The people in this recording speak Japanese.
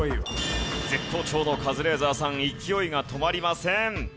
絶好調のカズレーザーさん勢いが止まりません。